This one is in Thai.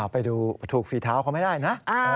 ไปดูถูกฝีเท้าเขาไม่ได้นะ